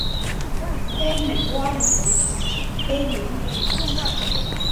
Stagnant water conditions favour pitting.